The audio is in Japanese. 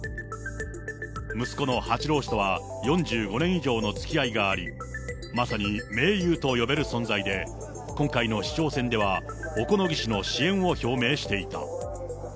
息子の八郎氏とは４５年以上のつきあいがあり、まさに盟友と呼べる存在で、今回の市長選では、小此木氏の支援を表明していた。